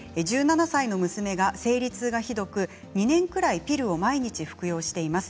１７歳の娘が生理痛がひどく２年ぐらいピルを毎日服用しています。